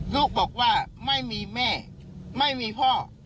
ลูกบอกว่าไม่มีแม่ไม่มีพ่อ